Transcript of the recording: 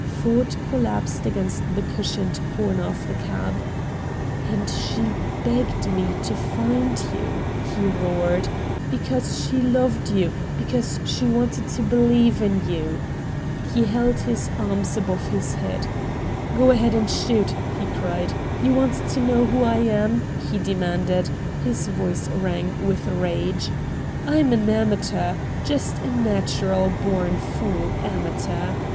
Ford collapsed against the cushioned corner of the cab. "And she begged me to find you," he roared, "because she LOVED you, because she wanted to BELIEVE in you!" He held his arms above his head. "Go ahead and shoot!" he cried. "You want to know who I am?" he demanded. His voice rang with rage. "I'm an amateur. Just a natural born fool amateur!